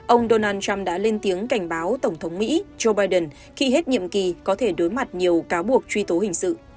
ông donald trump đã lên tiếng cảnh báo tổng thống mỹ joe biden khi hết nhiệm kỳ có thể đối mặt nhiều cáo buộc truy tố hình sự